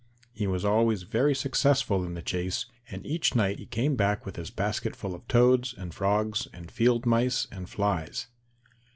He was always very successful in the chase, and each night he came back with his basket full of toads and frogs and field mice and flies.